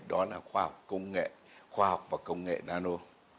đó là khoa học và công nghệ nano